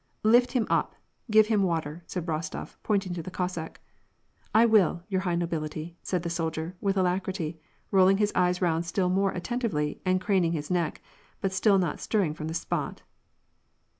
" Lift him up ; give him water," said Rostof, pointing to the Cossack. " I will, your high nobility," said the soldier, with alacrity, rolling his eyes round still more attentively, and craning his neck, but still not stirring from the spot.